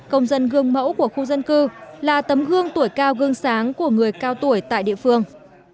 công dân gương mẫu của khu dân cư là tấm gương tuổi cao gương sáng của người cao tuổi tại địa phương